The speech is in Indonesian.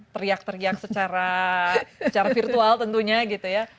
teriak teriak secara virtual tentunya gitu ya